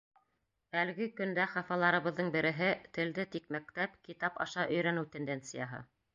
Әлеге көндә хафаларыбыҙҙың береһе: телде тик мәктәп, китап аша өйрәнеү тенденцияһы.